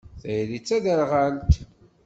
Tayri d taderɣalt.